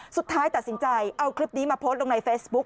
สุดท้ายตัดสินใจเอาคลิปนี้มาโพสต์ลงในเฟซบุ๊ค